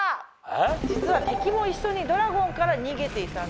実は敵も一緒にドラゴンから逃げていたんですね。